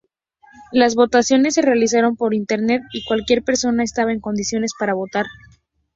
Las votaciones se realizaron por Internet, y cualquier persona estaba en condiciones para votar.